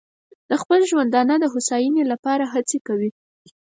د خپل ژوندانه د هوساینې لپاره هڅې کوي.